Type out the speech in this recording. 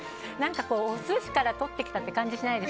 お寿司からとってきた感じがしないです。